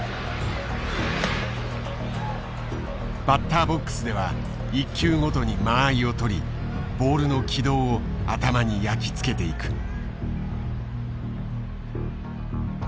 バッターボックスでは１球ごとに間合いをとりボールの軌道を頭に焼き付けていく。